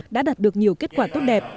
đã đạt được nhiều kết quả tốt đẹp